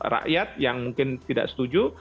rakyat yang mungkin tidak setuju